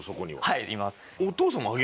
はいいます。